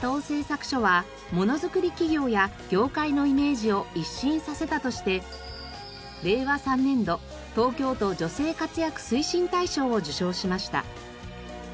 製作所はものづくり企業や業界のイメージを一新させたとして令和３年度東京都女性活躍推進大賞を受賞しました。